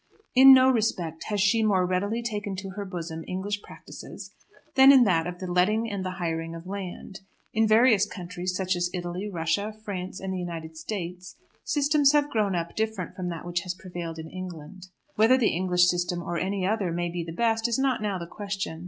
In no respect has she more readily taken to her bosom English practices than in that of the letting and the hiring of land. In various countries, such as Italy, Russia, France, and the United States, systems have grown up different from that which has prevailed in England. Whether the English system or any other may be the best is not now the question.